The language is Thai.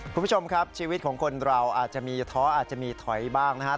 คุณผู้ชมครับชีวิตของคนเราอาจจะมีท้ออาจจะมีถอยบ้างนะครับ